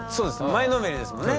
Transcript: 前のめりですもんね。